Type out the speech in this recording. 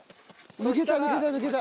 抜けた抜けた抜けた！